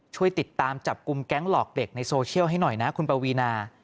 ช่วยติดตามจับกลุ่มแก๊งหลอกเด็กในโซเชียลให้หน่อยนะคุณปวีนา